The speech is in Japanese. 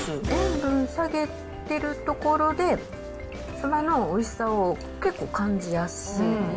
塩分下げてるところで、サバのおいしさを結構感じやすい。